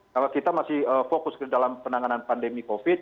kalau kita masih fokus ke dalam penanganan pandemi covid